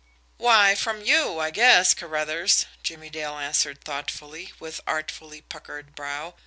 "Why, from you, I guess, Carruthers," Jimmie Dale answered thoughtfully, with artfully puckered brow.